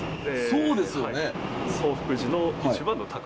そうですよね。